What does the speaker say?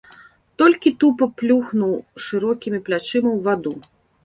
Толькі тупа плюхнуў шырокімі плячыма ў ваду.